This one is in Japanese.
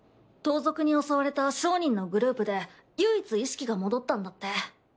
盗賊に襲われた商人のグループで唯一意識が戻ったんだって。